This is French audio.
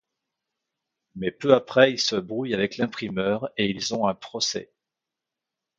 Mais peu après il se brouille avec l'imprimeur et ils ont un procès.